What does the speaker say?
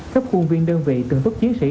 cấp khuôn viên đơn vị từng tốt chiến sĩ